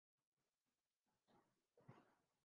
Glenn Maxwell نے سرفراز احمد سے ہاتھ نہ ملانے پر معذرت کر لی